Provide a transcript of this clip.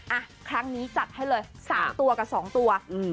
อ่ะครั้งนี้จัดให้เลย๓ตัวกับ๒ตัว